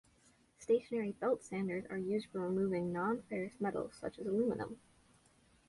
Stationary belt sanders are used for removing non-ferrous metals, such as aluminum.